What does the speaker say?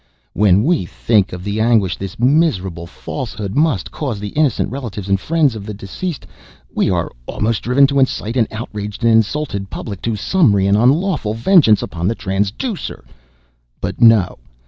When we think of the anguish this miserable falsehood must cause the innocent relatives and friends of the deceased, we are almost driven to incite an outraged and insulted public to summary and unlawful vengeance upon the traducer. But no!